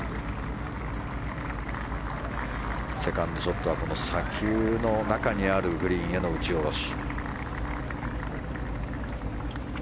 セカンドショットはこの砂丘の中にあるグリーンへの打ち下ろし。